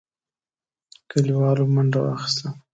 کليوالو منډه واخيسته.